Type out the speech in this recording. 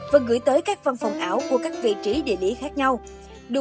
và gửi tới các văn phòng ảo của các vị trí địa lý khác nhau